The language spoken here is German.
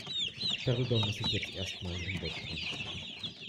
Darüber muss ich jetzt erst mal hinwegkommen.